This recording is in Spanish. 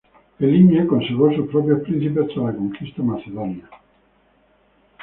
Elimia conservó sus propios príncipes tras la conquista macedonia.